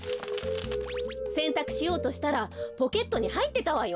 せんたくしようとしたらポケットにはいってたわよ。